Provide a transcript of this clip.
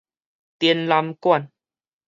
展覽館